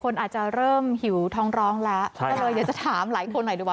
คนอาจจะเริ่มหิวท้องร้องแล้ว